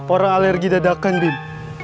orang alergi dadakan bim